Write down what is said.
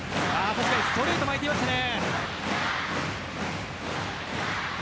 今ストレート空いていましたね。